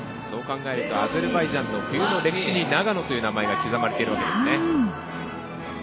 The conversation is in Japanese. そう考えるアゼルバイジャンの国の歴史に長野という名前が刻まれているんですね。